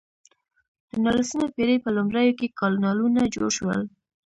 د نولسمې پیړۍ په لومړیو کې کانالونه جوړ شول.